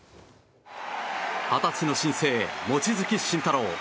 二十歳の新星・望月慎太郎。